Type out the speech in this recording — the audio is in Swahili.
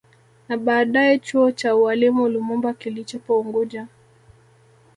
Na baadaye chuo cha ualimu Lumumba kilichopo unguja